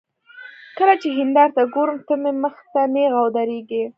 کله چې هندارې ته ګورم، ته مې مخ ته نېغه ودرېږې